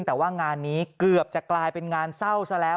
แต่ว่างานนี้เกือบจะกลายเป็นงานเศร้าซะแล้ว